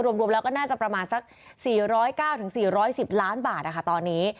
รวมแล้วก็น่าจะประมาณสัก๔๐๙๔๑๐ล้านบาทตอนนี้